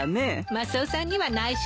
マスオさんには内緒よ。